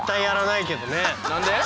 何で？